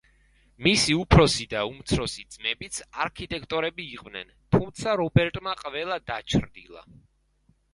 მისი უფროსი და უმცროსი ძმებიც არქიტექტორები იყვნენ, თუმცა რობერტმა ყველა დაჩრდილა.